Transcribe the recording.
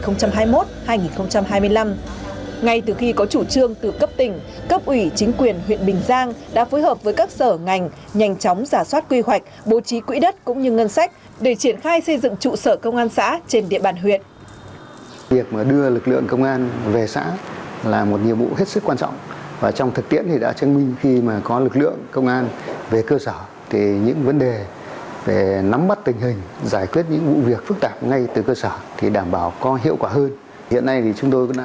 ngay từ khi có chủ trương từ cấp tỉnh cấp ủy chính quyền huyện bình giang đã phối hợp với các sở ngành nhanh chóng giả soát quy hoạch bố trí quỹ đất cũng như ngân sách để triển khai xây dựng trụ sở công an xã trên địa bàn huyện